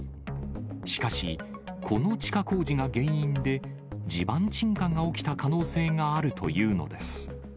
しかし、この地下工事が原因で、地盤沈下が起きた可能性があるというのです。